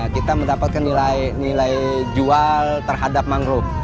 kita mendapatkan nilai jual terhadap mangrove